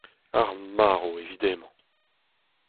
Ar marv evit hemañ !